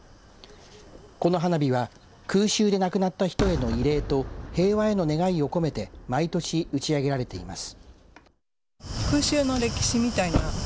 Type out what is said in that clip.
この花火は空襲で亡くなった人の慰霊と平和への願いを込めて毎年打ち上げられています。